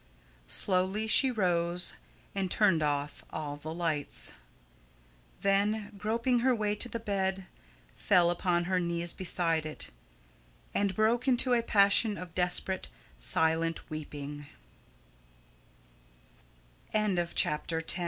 Slowly she rose, and turned off all the lights; then, groping her way to the bed, fell upon her knees beside it, and broke into a passion of desperate, silent weeping.